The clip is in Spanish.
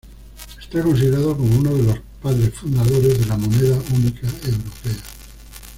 Está considerado como uno de los padres fundadores de la moneda única europea.